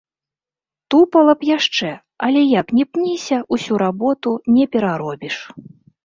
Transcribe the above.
Тупала б яшчэ, але як ні пніся, усю работу не пераробіш.